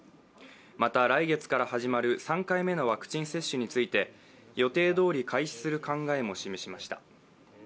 また、来月から始まる３回目のワクチン接種について予定どおり開始する考えも示しました。